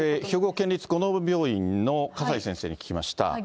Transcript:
兵庫県立こども病院の笠井先生に聞きました。